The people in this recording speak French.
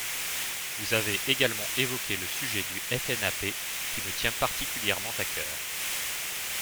Vous avez également évoqué le sujet du FNAP, qui me tient particulièrement à cœur.